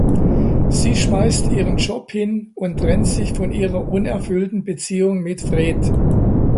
Sie schmeißt ihren Job hin und trennt sich von ihrer unerfüllten Beziehung mit Fred.